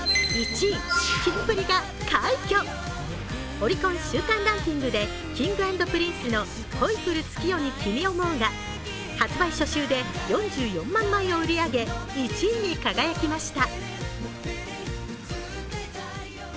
オリコン週間ランキングでＫｉｎｇ＆Ｐｒｉｎｃｅの「恋降る月夜に君想ふ」が発売初週で４４万枚を売り上げ１位に輝きました。